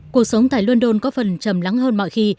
cuộc sống tại london có phần trầm lắng hơn mọi khi